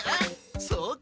そうか？